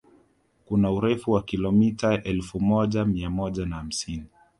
Kuna urefu wa kilomita elfu moja mia moja na hamsini